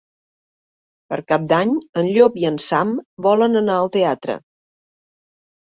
Per Cap d'Any en Llop i en Sam volen anar al teatre.